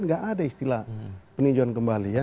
nggak ada istilah peninjauan kembali ya